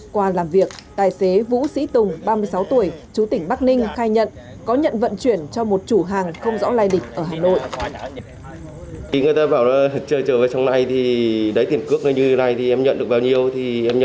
qua làm việc tài xế vũ sĩ tùng ba mươi sáu tuổi chú tỉnh bắc ninh khai nhận có nhận vận chuyển cho một chủ hàng không rõ lành